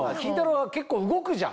は結構動くじゃん。